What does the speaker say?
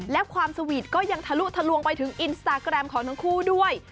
และความสวีทก็ยังทะลุทะลวงไปถึงอินสตาแกรมของทั้งคู่ด้วย